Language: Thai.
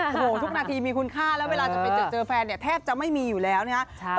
โอ้โหทุกนาทีมีคุณค่าแล้วเวลาจะไปเจอแฟนเนี่ยแทบจะไม่มีอยู่แล้วนะครับ